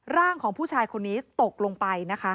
ร่างไปตกลงไป